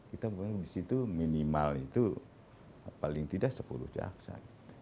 kita punya di situ minimal itu paling tidak sepuluh jaksa